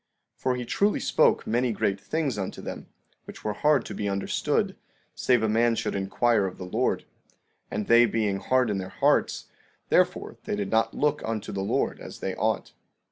15:3 For he truly spake many great things unto them, which were hard to be understood, save a man should inquire of the Lord; and they being hard in their hearts, therefore they did not look unto the Lord as they ought.